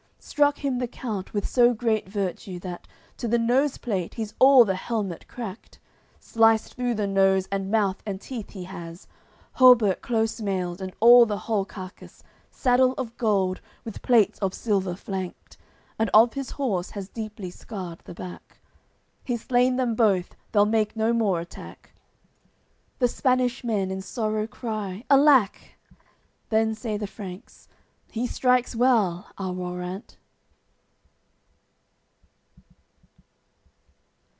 Struck him the count, with so great virtue, that To the nose plate he's all the helmet cracked, Sliced through the nose and mouth and teeth he has, Hauberk close mailed, and all the whole carcass, Saddle of gold, with plates of silver flanked, And of his horse has deeply scarred the back; He's slain them both, they'll make no more attack: The Spanish men in sorrow cry, "Alack!" Then say the Franks: "He strikes well, our warrant."